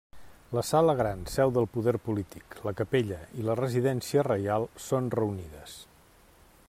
La sala gran, seu del poder polític, la capella i la residència reial són reunides.